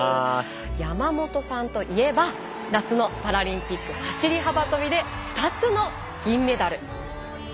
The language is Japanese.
山本さんといえば夏のパラリンピック走り幅跳びで２つの銀メダル。